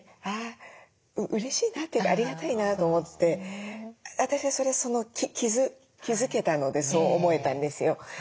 あうれしいなっていうかありがたいなと思って私はそれ気付けたのでそう思えたんですよ。